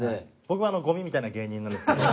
僕ゴミみたいな芸人なんですけど。